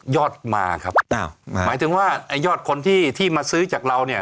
ยอดมาครับอ้าวหมายถึงว่าไอ้ยอดคนที่ที่มาซื้อจากเราเนี่ย